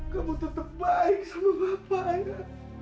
kamu tetap baik sama bapak ya